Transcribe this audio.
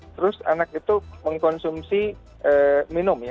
terus anak itu mengkonsumsi minum ya